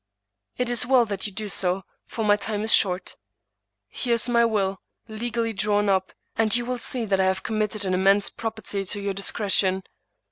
" It is well that you do so„ for my time is short. Here is my will, legally drawn up, and you will see that I have committed an immense prop erty to your discretion.